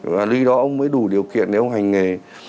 và lý do đó ông mới đủ điều kiện để ông hành nghề